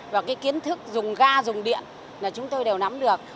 và cái kiến thức dùng ga dùng điện là chúng tôi đều nắm được